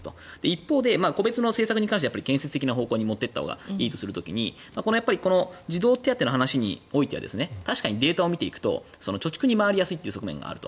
一方で個別の政策に関しては建設的な方向に持っていったほうがいいという時にこの児童手当の話においては確かにデータを見ていくと貯蓄に回りやすい側面がある。